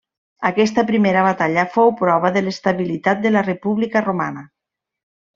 Aquesta primera batalla fou prova de l'estabilitat de la república romana.